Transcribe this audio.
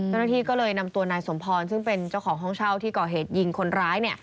เจ้าหน้าที่ก็เลยนำตัวนายสมพรซึ่งเป็นเจ้าของห้องเช่าที่ก่อเหตุยิงคนร้าย